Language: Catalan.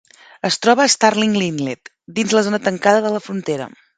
Es troba a Starling Inlet, dins la zona tancada de la frontera.